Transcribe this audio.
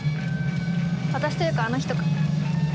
私というかあの人か。